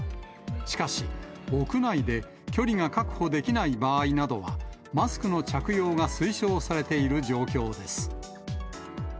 しかし、屋内で距離が確保できない場合などは、マスクの着用が推奨されている状況です。